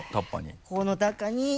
この中に。